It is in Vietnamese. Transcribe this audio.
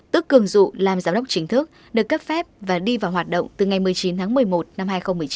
tức cường dụ làm giám đốc chính thức được cấp phép và đi vào hoạt động từ ngày một mươi chín tháng một mươi một năm hai nghìn một mươi chín